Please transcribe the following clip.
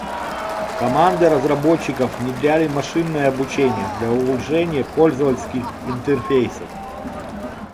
Команды разработчиков внедряли машинное обучение для улучшения пользовательских интерфейсов.